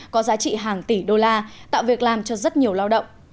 có giá trị hàng tỷ đô la tạo việc làm cho rất nhiều lao động